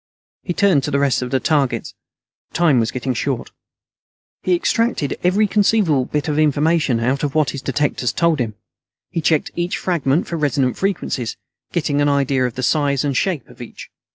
He turned to the rest of the targets. Time was getting short. He extracted every conceivable bit of information out of what his detectors told him. He checked each fragment for resonant frequencies, getting an idea of the size and shape of each.